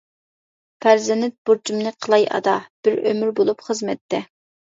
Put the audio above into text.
پەرزەنت بۇرچۇمنى قىلاي ئادا، بىر ئۆمۈر بولۇپ خىزمەتتە.